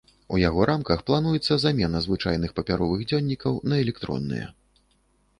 У яго рамках плануецца замена звычайных папяровых дзённікаў на электронныя.